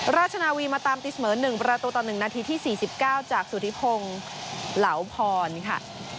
ราชนาวีมาตามติดเสมอหนึ่งประตูต่อหนึ่งนาทีที่สี่สิบเก้าจากสุธิพงศ์เหลาพรค่ะ